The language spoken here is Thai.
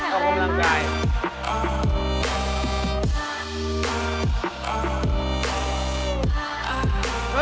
มันเป็นอะไรนะ